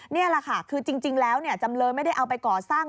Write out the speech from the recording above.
นี่แหละค่ะคือจริงแล้วจำเลยไม่ได้เอาไปก่อสร้าง